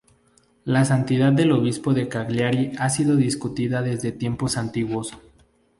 La santidad del obispo de Cagliari ha sido discutida desde tiempos antiguos.